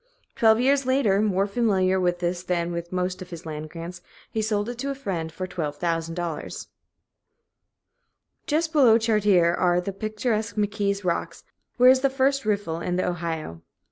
Twelve years later, more familiar with this than with most of his land grants, he sold it to a friend for $12,000. Just below Chartier are the picturesque McKee's Rocks, where is the first riffle in the Ohio.